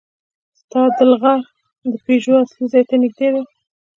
ستادل غار د پيژو اصلي ځای ته نږدې دی.